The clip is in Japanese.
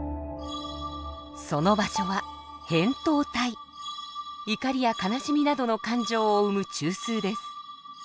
その場所は怒りや悲しみなどの感情を生む中枢です。